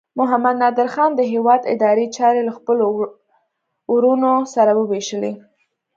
محمد نادر خان د هیواد اداري چارې له خپلو وروڼو سره وویشلې.